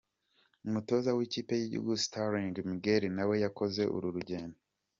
Umutoza w’ikipe y’igihugu Sterling Magnell nawe yakoze uru rugendo.